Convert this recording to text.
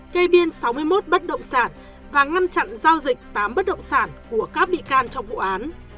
kê biên sáu mươi một bất động sản và ngăn chặn giao dịch tám bất động sản của các bị can trong vụ án